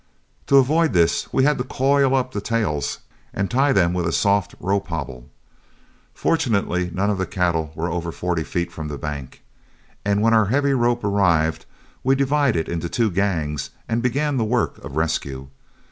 To avoid this we had to coil up the tails and tie them with a soft rope hobble. Fortunately none of the cattle were over forty feet from the bank, and when our heavy rope arrived we divided into two gangs and began the work of rescue.